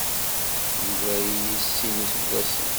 Yugar-iyi s sin n yiseggasen.